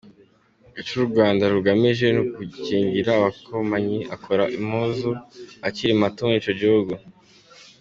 Ico Urwanda rugamije n'ugukingira amakompanyi akora impuzu akiri mato muri ico gihugu.